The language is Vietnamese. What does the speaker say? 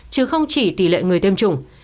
chứ không chỉ tỷ lệ người tiêm chủng